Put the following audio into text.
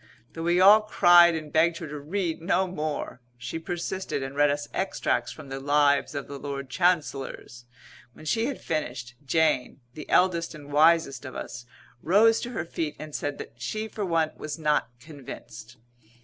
Though we all cried and begged her to read no more, she persisted and read us extracts from the Lives of the Lord Chancellors. When she had finished, Jane, the eldest and wisest of us, rose to her feet and said that she for one was not convinced.